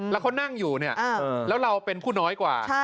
แล้วเขานั่งอยู่เนี่ยแล้วเราเป็นผู้น้อยกว่า